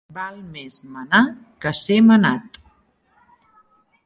Val més manar que ser manat.